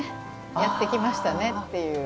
やってきましたねっていう。